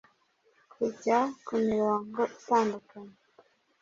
kujya ku mirongo itandukanye.